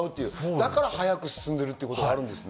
だから早く進むということがあるんですね。